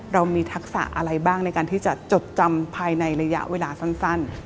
เรามีทักษะอะไรบ้างในการที่จะจดจำภายในระยะเวลาสั้น